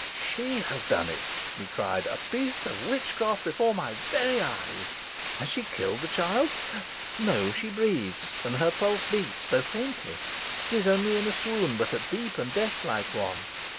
"She has done it," he cried. "A piece of witchcraft before my very eyes. Has she killed the child? No; she breathes, and her pulse beats, though faintly. She is only in a swoon, but a deep and deathlike one.